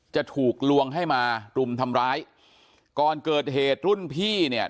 จะถูกลวงให้มารุมทำร้ายก่อนเกิดเหตุรุ่นพี่เนี่ย